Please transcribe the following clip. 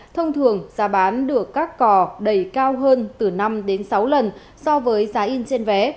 thông thường giá bán được các cò đầy cao hơn từ năm đến sáu lần so với giá in trên vé